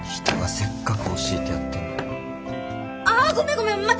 人がせっかく教えてやってんのに。